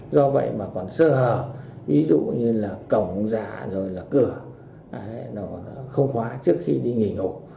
do vậy mà còn sơ hờ ví dụ như là cổng giả rồi là cửa không khóa trước khi đi nghỉ ngủ